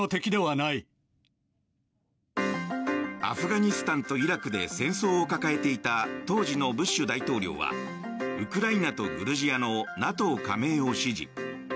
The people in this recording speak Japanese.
アフガニスタンとイラクで戦争を抱えていた当時のブッシュ大統領はウクライナとグルジアのＮＡＴＯ加盟を支持。